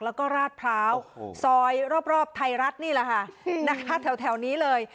แล้วก็ราชพร้าวซอยรอบไทยรัฐนี่แหละค่ะนะคะแถวนี้เลย